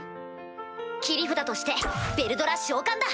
切り札としてヴェルドラ召喚だ。